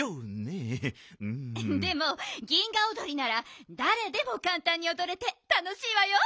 でも銀河おどりならだれでもかんたんにおどれてたのしいわよ！